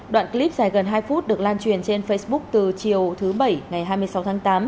đoạn clip dài gần hai phút được lan truyền trên facebook từ chiều thứ bảy ngày hai mươi sáu tháng tám